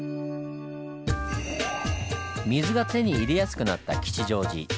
水が手に入れやすくなった吉祥寺。